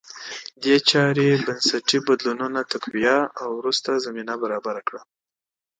دې چارې بنسټي بدلونونه تقویه او وروسته زمینه برابره کړه